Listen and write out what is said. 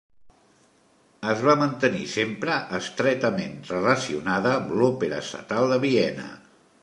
Es va mantenir sempre estretament relacionada amb l'Òpera Estatal de Viena.